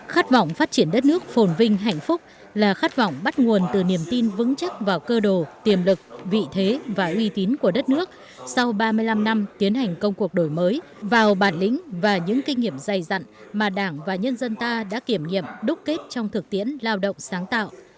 khát vọng phát triển đất nước phồn vinh hạnh phúc là khát vọng bắt nguồn từ niềm tin vững chắc vào cơ đồ tiềm lực vị thế và uy tín của đất nước sau ba mươi năm năm tiến hành công cuộc đổi mới vào bản lĩnh và những kinh nghiệm dày dặn mà đảng và nhân dân ta đã kiểm nghiệm đúc kết trong thực tiễn lao động sáng tạo